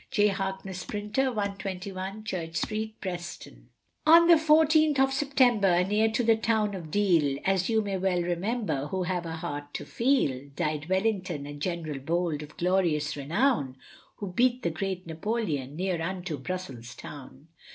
J. Harkness, Printer, 121, Church Street, Preston. On the 14th of September, near to the town of Deal, As you may well remember who have a heart to feel, Died Wellington, a general bold, of glorious renown, Who beat the great Napoleon near unto Brussels town.